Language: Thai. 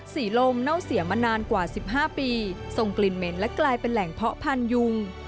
สีลมเน่าเสียมานานกว่า๑๕ปีส่งกลิ่นเหม็นและกลายเป็นแหล่งเพาะพันยุง